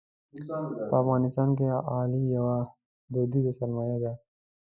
په افغانستان کې غالۍ یوه دودیزه سرمایه ده.